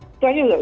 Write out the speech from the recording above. itu aja sudah